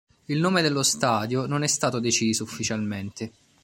Il nome dello stadio non è stato deciso ufficialmente.